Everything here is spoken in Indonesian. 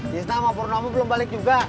disna sama purnomo belum balik juga